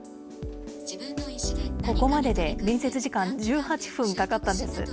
ここまでで面接時間、１８分かかったんです。